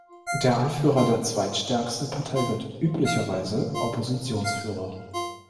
Der Anführer der zweitstärksten Partei wird üblicherweise Oppositionsführer.